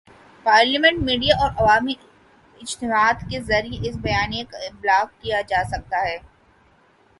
Parliament, media اور عوامی اجتماعات کے ذریعے اس بیانیے کا ابلاغ کیا جا سکتا ہے۔